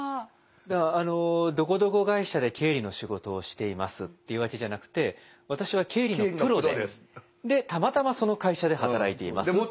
だからあの「どこどこ会社で経理の仕事をしています」って言うわけじゃなくって「私は経理のプロです。でたまたまその会社で働いています」。